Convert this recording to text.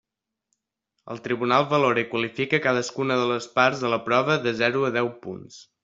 El tribunal valora i qualifica cadascuna de les parts de la prova de zero a deu punts.